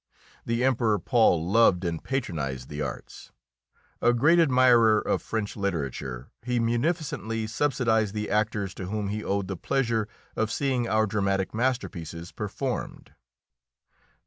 The Emperor Paul loved and patronised the arts. A great admirer of French literature, he munificently subsidised the actors to whom he owed the pleasure of seeing our dramatic masterpieces performed.